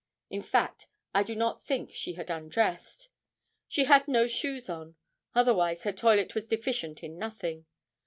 In fact, I do not think she had undressed. She had no shoes on. Otherwise her toilet was deficient in nothing.